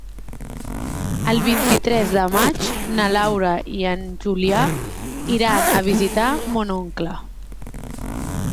El vint-i-tres de maig na Laura i en Julià iran a visitar mon oncle.